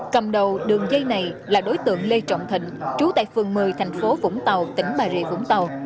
cầm đầu đường dây này là đối tượng lê trọng thịnh trú tại phường một mươi thành phố vũng tàu tỉnh bà rịa vũng tàu